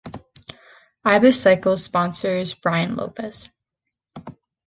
Ibis Cycles sponsors Brian Lopes.